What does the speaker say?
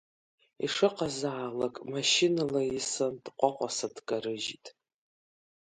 Ишыҟазаалак машьынала исын, дҟәаҟәаса дкарыжьит.